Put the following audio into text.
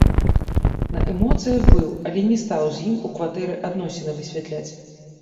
На эмоцыях быў, але не стаў з ім у кватэры адносіны высвятляць.